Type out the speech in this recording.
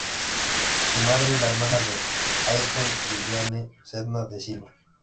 Su madre es la hermana de Ayrton, Viviane Senna da Silva.